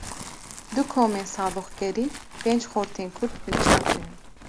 Du komên saloxgerî, pênc xortên Kurd binçav kirin